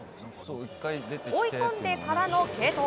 追い込んでからの継投。